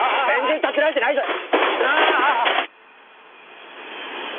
全然立てられてないじゃ。